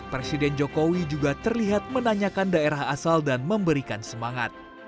presiden jokowi juga terlihat menanyakan daerah asal dan memberikan semangat